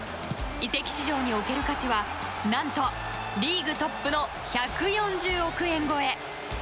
移籍市場における価値は何と、リーグトップの１４０億円超え！